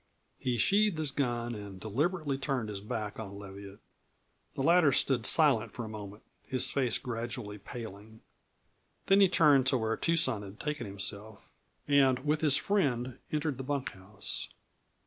He sheathed his gun and deliberately turned his back on Leviatt. The latter stood silent for a moment, his face gradually paling. Then he turned to where Tucson had taken himself and with his friend entered the bunkhouse.